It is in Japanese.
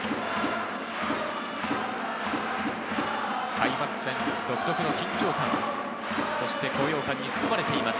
開幕戦独特の緊張感、そして高揚感に包まれています